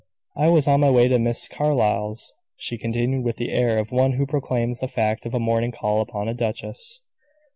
I was on my way to Miss Carlyle's," she continued, with the air of one who proclaims the fact of a morning call upon a duchess.